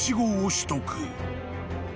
［取得］